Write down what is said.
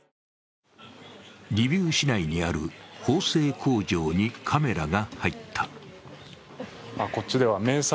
リビウ市内にある縫製工場にカメラが入った。